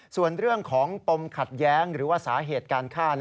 ส่วนเรื่องของปมขัดแย้งหรือว่าสาเหตุการฆ่า